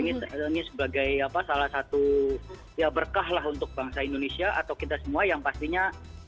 ini sebagai salah satu ya berkah lah untuk bangsa indonesia atau kita semua yang pastinya